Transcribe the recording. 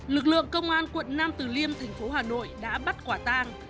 lực lượng công an quận nam từ liêm thành phố hà nội đã bắt quả tang